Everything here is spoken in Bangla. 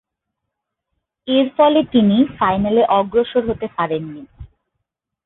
এরফলে তিনি ফাইনালে অগ্রসর হতে পারেননি।